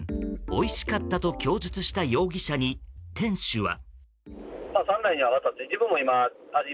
おいしかったと供述した容疑者に店主は。